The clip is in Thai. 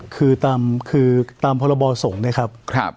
คือตามพรบสงฆ์เนี่ยครับ